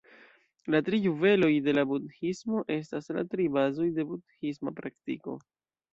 La tri juveloj de la Budhismo estas la tri bazoj de budhisma praktiko.